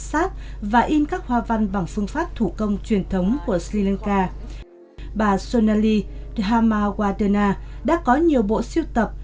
sau chuyến thăm việt nam hai tháng trước